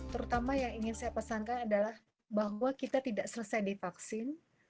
terutama yang ingin saya pesankan adalah bahwa kita tidak selesai divaksin